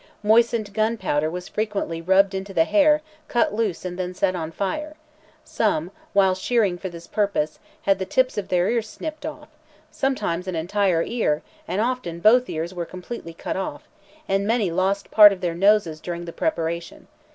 Moistened gunpowder was frequently rubbed into the hair cut close and then set on fire; some, while shearing for this purpose, had the tips of their ears snipt off; sometimes an entire ear, and often both ears were completely cut off; and many lost part of their noses during the like preparation.